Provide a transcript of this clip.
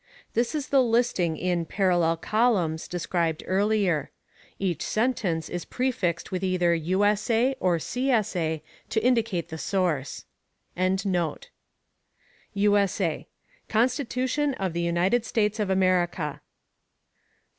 This is the listing "in parallel columns" described earlier. Each sentence is prefixed with either USA or CSA to indicate the source.] [USA] Constitution of the United States of America.